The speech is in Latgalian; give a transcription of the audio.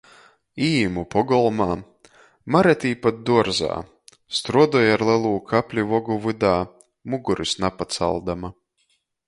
Īīmu pogolmā, Mare tīpat duorzā, struodoj ar lelū kapli vogu vydā, mugorys napacaldama.